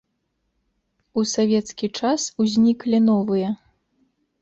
У савецкі час узніклі новыя.